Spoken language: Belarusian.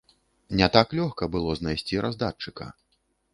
Не так лёгка было знайсці раздатчыка.